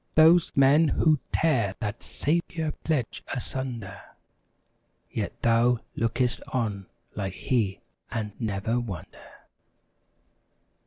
^ Those men who'd tear that Saviour pledge asun¬ der Yet thou look'st on like He and never wonder.